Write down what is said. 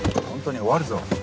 本当に終わるぞ。